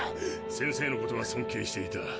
先生のことは尊敬していた。